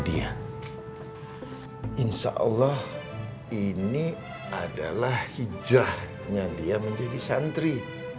dia insya allah ini adalah hijrahnya dia menjadi santri